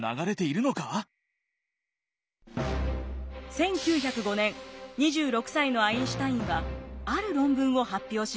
１９０５年２６歳のアインシュタインはある論文を発表します。